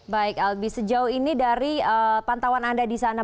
baik albi sejauh ini dari pantauan anda di sana